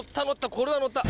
これはのった！